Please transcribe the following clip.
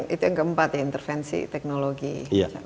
itu yang keempat ya intervensi teknologi